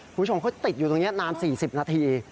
คุณผู้ชมค่อยติดอยู่ตรงเนี้ยนานสี่สิบนาที